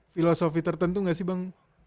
filosofi tertentu nggak sih bang